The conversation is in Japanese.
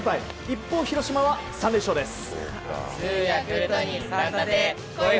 一方、広島は３連勝です。